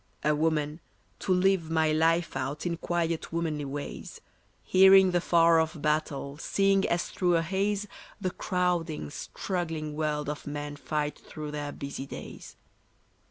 A woman, to live my life out In quiet womanly ways, Hearing the far off battle, Seeing as through a haze The crowding, struggling world of men fight through their busy days.